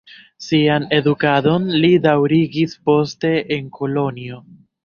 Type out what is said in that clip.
Sian edukadon li daŭrigis poste en Kolonjo.